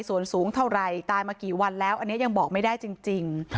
ส่วนสูงเท่าไหร่ตายมากี่วันแล้วอันนี้ยังบอกไม่ได้จริง